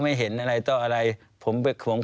แล้วเขาสร้างเองว่าห้ามเข้าใกล้ลูก